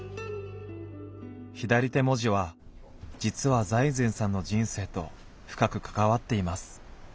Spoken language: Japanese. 左手文字は実は財前さんの人生と深く関わっています。